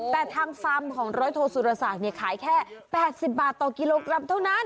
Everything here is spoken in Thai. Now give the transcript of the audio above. แต่ทางฟาร์มของร้อยโทสุรศักดิ์ขายแค่๘๐บาทต่อกิโลกรัมเท่านั้น